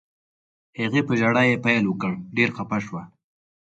هغې په ژړا یې پیل وکړ، ډېره خفه شوه.